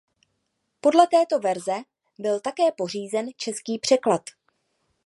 Podle této verze byl také pořízen český překlad.